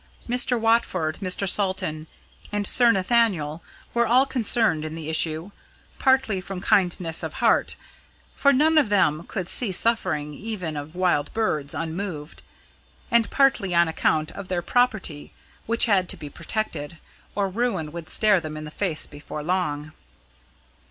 Mr. Watford, Mr. Salton, and Sir Nathaniel were all concerned in the issue, partly from kindness of heart for none of them could see suffering, even of wild birds, unmoved and partly on account of their property, which had to be protected, or ruin would stare them in the face before long.